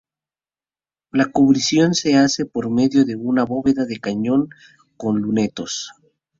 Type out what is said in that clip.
La cubrición se hace por medio de una bóveda de cañón con lunetos.